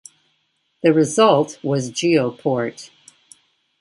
The result was GeoPort.